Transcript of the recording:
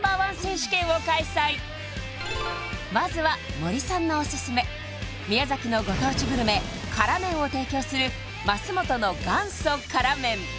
まずは森さんのオススメ宮崎のご当地グルメ辛麺を提供する桝元の元祖辛麺